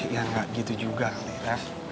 ya nggak gitu juga ya